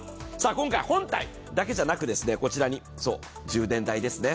今回、本体だけじゃなく、こちらに充電台ですね。